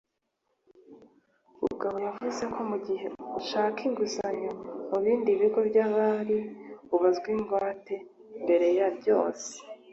Bugabo yavuze ko mu gihe ushaka inguzanyo mu bindi bigo by’imari abazwa ingwate mbere ya byose